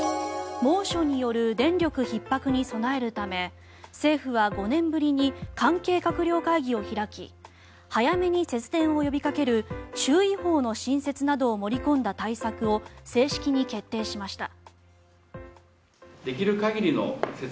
猛暑による電力ひっ迫に備えるため政府は５年ぶりに関係閣僚会議を開き早めに節電を呼びかける注意報の新設などを盛り込んだ対策を正式に決定しました。